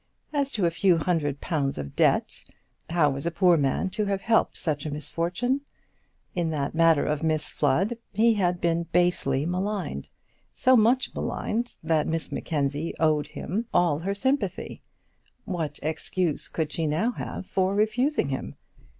As to a few hundred pounds of debt, how was a poor man to have helped such a misfortune? In that matter of Miss Floss he had been basely maligned, so much maligned, that Miss Mackenzie owed him all her sympathy. What excuse could she now have for refusing him?